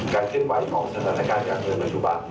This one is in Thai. เคลื่อนไหวของสถานการณ์การเมืองปัจจุบัน